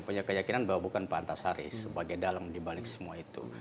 punya keyakinan bahwa bukan pak antasari sebagai dalang dibalik semua itu